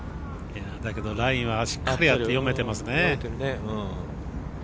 だけど、ラインはしっかり読めてますね。